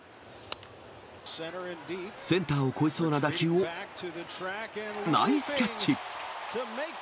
センターを越えそうな打球を、ナイスキャッチ。